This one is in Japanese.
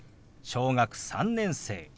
小学３年生。